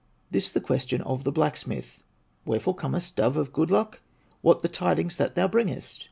This the question of the blacksmith: "Wherefore comest, dove of good luck, What the tidings that thou bringest?"